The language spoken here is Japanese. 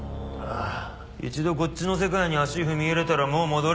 一度こっちの世界に足踏み入れたらもう戻れねえ。